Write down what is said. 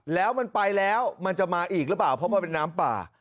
แล้วมันไปแล้วมันจะมาอีกหรือเปล่าเพราะมันเป็นน้ำป่า